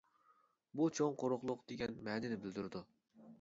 بۇ «چوڭ قۇرۇقلۇق» دېگەن مەنىنى بىلدۈرىدۇ.